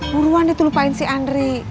buruan dia tuh lupain si andri